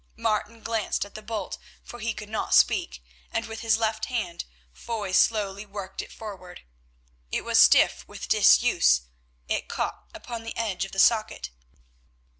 Martin glanced at the bolt, for he could not speak, and with his left hand Foy slowly worked it forward. It was stiff with disuse, it caught upon the edge of the socket.